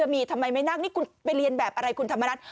มีทำไมไม่นั่งนี่คุณไปเรียนแบบอะไรคุณธรรมนัฐ